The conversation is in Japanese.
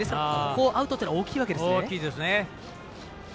アウトというのは大きいわけですね。